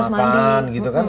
malapan gitu kan